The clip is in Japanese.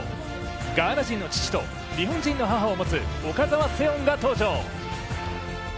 ガーナ人の父と日本人の母を持つ岡澤セオンが登場。